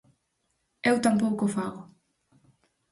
Eu tampouco o fago.